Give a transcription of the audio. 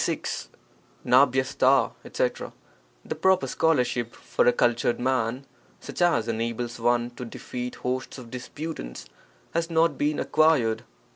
— The proper scholarship for a cultured man, such as enables one to defeat hosts of disputants, has not been acquired.